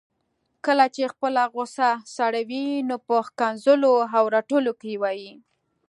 کله چي خپله غصه سړوي نو په ښکنځلو او رټلو کي وايي